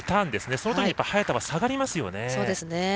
その時に早田は下がりますよね。